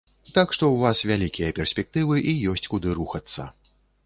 Так што ў вас вялікія перспектывы і ёсць куды рухацца.